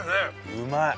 うまい。